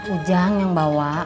ujang yang bawa